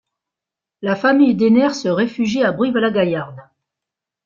La famille Denner se réfugie à Brive-la-Gaillarde.